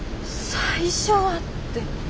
最初はって。